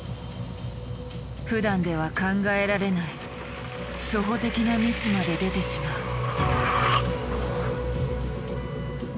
ふだんでは考えられない初歩的なミスまで出てしまう。